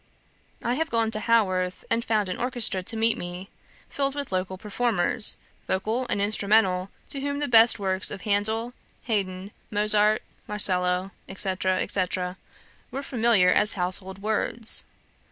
I have gone to Haworth and found an orchestra to meet me, filled with local performers, vocal and instrumental, to whom the best works of Handel, Haydn, Mozart, Marcello, &c. &c., were familiar as household words.